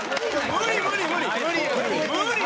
無理無理無理！